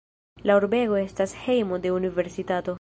La urbego estas hejmo de universitato.